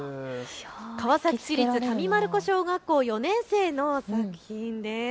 川崎市立上丸子小学校４年生の作品です。